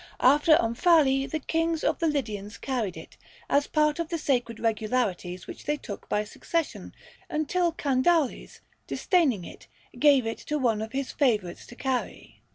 After Omphale the kings of the Lydians carried it, as part of the sacred regalities which they took by succession, until Candaules, disdaining it, gave it to one of his favorites to carry.